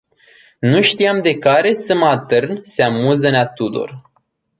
Nu știam de care să mă atârn se amuză nea Tudor.